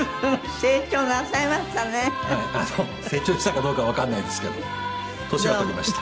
成長したかどうかわかんないですけど年は取りました。